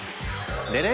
でね！